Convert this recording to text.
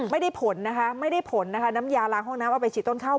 ไม่ได้ผลนะคะน้ำยาล้างห้องน้ำเอาไปฉีดต้นข้าว